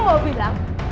kamu mau bilang